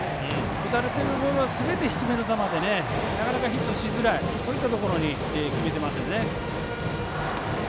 打たれてるボールはすべて低めの球でなかなかヒットしづらいそういったところに決めてますね。